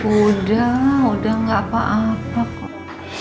udah udah gak apa apa kok